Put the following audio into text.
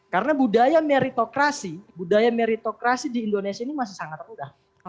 karena budaya meritokrasi di indonesia ini masih sangat mudah